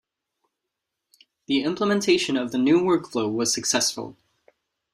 The implementation of the new workflow was successful.